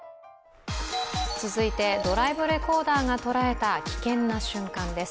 続いてドライブレコーダーが捉えた、危険な瞬間です。